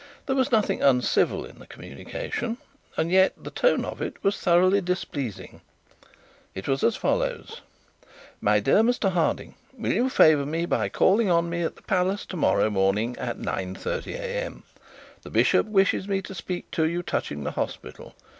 There was nothing uncivil in the communication, and yet the tone of it was thoroughly displeasing. It was as follows: "My dear Mr Harding, Will you favour me by calling on me at the palace to morrow morning at 9.30am. The bishop wishes me to speak to you touching the hospital.